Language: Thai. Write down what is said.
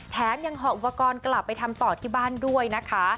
แถมยังหอบอุปกรณ์กลับไปทำต่อที่บ้านด้วยนะคะ